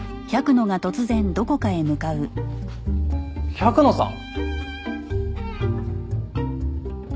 百野さん？